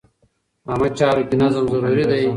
عامه چارو کې نظم ضروري دی.